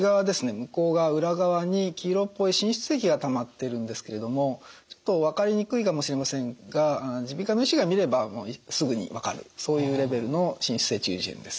向こう側裏側に黄色っぽい滲出液がたまっているんですけれどもちょっと分かりにくいかもしれませんが耳鼻科の医師が診ればすぐに分かるそういうレベルの滲出性中耳炎です。